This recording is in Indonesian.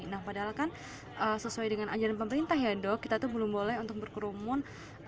nah padahal kan sesuai dengan anjuran pemerintah ya dok kita tuh belum boleh untuk berkerumun